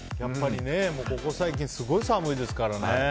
ここ最近すごい寒いですからね。